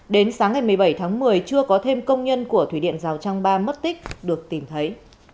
đến sáng ngày một mươi bảy tháng một mươi chưa có thêm công nhân của thủy điện rào trang ba mất tích được tìm thấy